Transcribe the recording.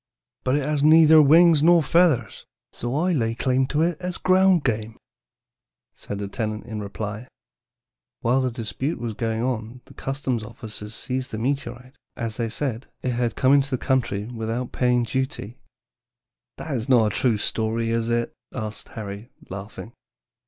"'But it has neither wings nor feathers, so I lay claim to it as ground game,' said the tenant in reply. "While the dispute was going on the custom house officers seized the meteorite, because, as they said, it had come into the country without paying duty." [Illustration: A METEOR.] "That is not a true story, is it?" asked Harry, laughing.